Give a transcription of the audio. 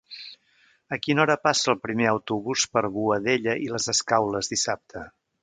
A quina hora passa el primer autobús per Boadella i les Escaules dissabte?